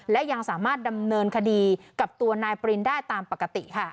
และยังสามารถดำเนินคดีกับตัวนายปรินได้ตามปกติค่ะ